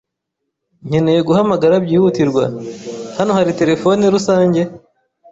Nkeneye guhamagara byihutirwa. Hano hano hari terefone rusange?